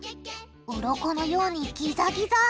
うろこのようにギザギザ！